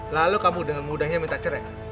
lalu kamu dengan mudahnya minta cerai